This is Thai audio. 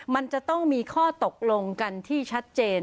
มันจะต้องมีข้อตกลงกันที่ชัดเจน